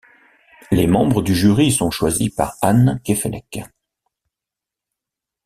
Les membres du jury sont choisis par Anne Queffélec.